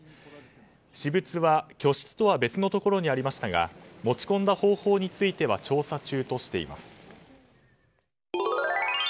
私物は居室とは別のところにありましたが持ち込んだ方法については調査中としています。